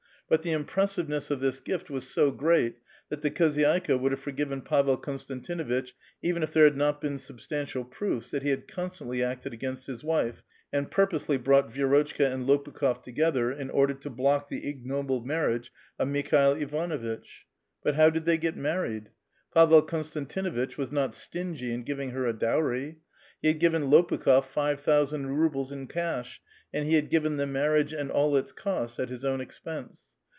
But the impressiveness of this gift was so grent that the khozydika would have forgiven Pavel Konstantinuitc^h, even if there had not been 8ul)stantial proofs that he had con stantly acted against his wife, and purposely brought Vie rotchka and Lopukh6f togc^ther, in order to block the '' ignoble njarriage " of !Mikhii'il Tvanuitch. But how did they get married? Pavel Konstantinuitch was not stingy in giving her a dowry. lie had given Lo[mkh6f five thousand rubles in cash, and he had given the marriage and all its cost at his own expense.